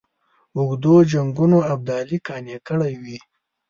اوږدو جنګونو ابدالي قانع کړی وي.